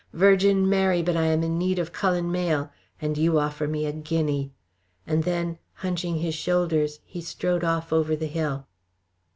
"Virgin Mary, but I am in need of Cullen Mayle, and you offer me a guinea!" and then hunching his shoulders he strode off over the hill.